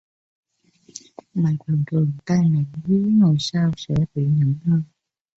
mà thường thường tai nạn đứa ngồi sau sẽ bị nặng hơn